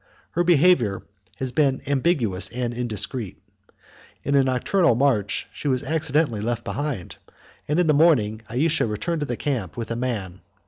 Her behavior had been ambiguous and indiscreet: in a nocturnal march she was accidentally left behind; and in the morning Ayesha returned to the camp with a man.